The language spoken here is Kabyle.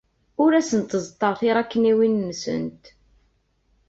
Ur asent-ẓeṭṭeɣ tiṛakniwin-nsent.